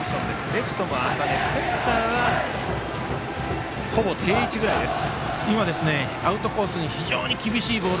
レフトも浅めセンターはほぼ定位置ぐらいです。